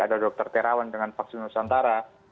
ada dr terawan dengan vaksin nusantara